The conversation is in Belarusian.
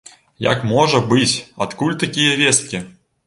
Як можа быць, адкуль такія весткі?